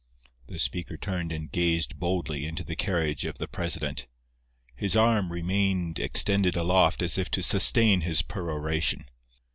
The speaker turned and gazed boldly into the carriage of the president. His arm remained extended aloft as if to sustain his peroration.